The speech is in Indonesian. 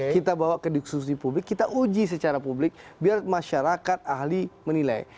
kita bawa ke diskusi publik kita uji secara publik biar masyarakat ahli menilai